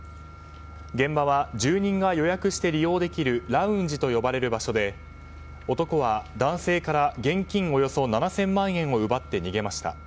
現場は住人が予約して利用できるラウンジと呼ばれる場所で男は、男性から現金およそ７０００万円を奪って逃げました。